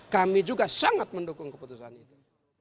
kami juga sangat mendukung keputusan itu